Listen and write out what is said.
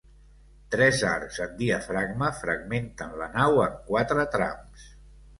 Tres arcs en diafragma fragmenten la nau en quatre trams.